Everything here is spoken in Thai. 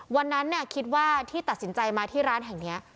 วันนั้นคิดว่าที่ตัดสินใจมาที่ร้านแห่งนี้